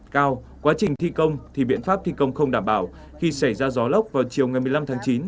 cao quá trình thi công thì biện pháp thi công không đảm bảo khi xảy ra gió lốc vào chiều ngày một mươi năm tháng chín